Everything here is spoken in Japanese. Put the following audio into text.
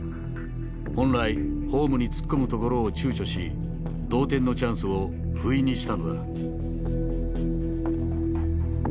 本来ホームに突っ込むところを躊躇し同点のチャンスをふいにしたのだ。